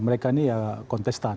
mereka ini ya kontestan